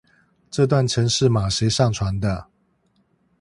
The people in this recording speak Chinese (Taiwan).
這段程式碼誰上傳的